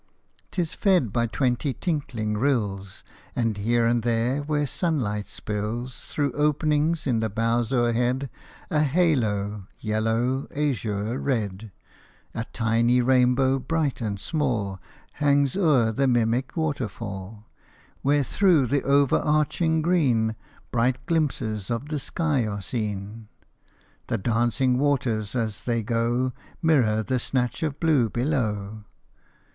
'T is fed by twenty tinkling rills, And here and there where sunlight spills Through openings in the boughs o'erhead A halo, yellow, azure, red A tiny rainbow bright and small Hangs o'er the mimic waterfall ; Where through the overarching green Bright glimpses of the sky are seen, The dancing waters as they go Mirror the snatch of blue below.